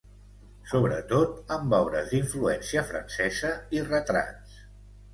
Sobretot amb obres d'influència francesa i retrats.